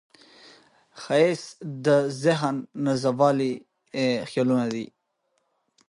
ښایست د ذهن نازولي خیالونه دي